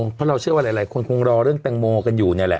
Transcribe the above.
เพราะเราเชื่อว่าหลายคนคงรอเรื่องแตงโมกันอยู่เนี่ยแหละ